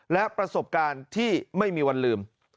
และประสบการณ์ที่ไม่มีวันลืม